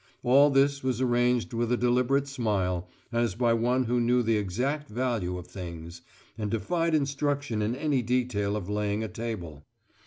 All this was arranged with a deliberate smile, as by one who knew the exact value of things, and defied instruction in any detail of laying a table.